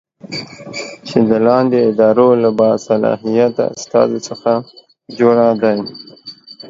چې د لاندې اداراتو له باصلاحیته استازو څخه جوړه دی